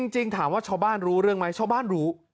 จริงถามว่าชาวบ้านรู้เรื่องไหมชาวบ้านรู้